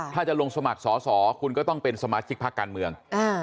ถ้าจะลงสมัครสอสอคุณก็ต้องเป็นสมาชิกพักการเมือง